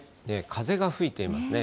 風が吹いていますね。